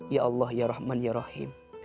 ya allah ya rahman ya rahim